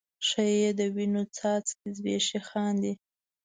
شپه یې د وینو څاڅکي زبیښي خاندي